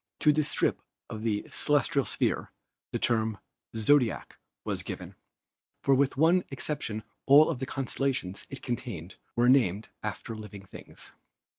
To this strip of the celestial sphere the term "zodiac" was given, for with one exception all of the constellations it contained were named after living things.